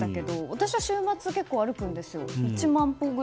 私は週末、結構歩くんですよ。